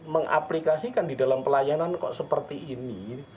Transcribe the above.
mengaplikasikan di dalam pelayanan kok seperti ini